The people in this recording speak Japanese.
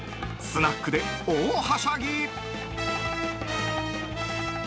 スナックで大はしゃぎ。